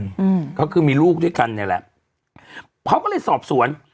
อืมก็คือมีลูกด้วยกันเนี้ยแหละเขาก็เลยสอบสวน